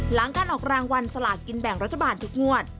หลังการออกรางวัลสลากินแบ่งรัฐบาลทุกงวด